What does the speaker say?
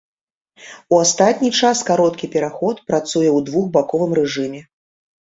У астатні час кароткі пераход працуе ў двухбаковым рэжыме.